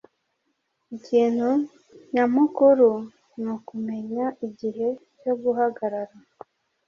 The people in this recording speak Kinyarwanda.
Ikintu nyamukuru nukumenya igihe cyo guhagarara.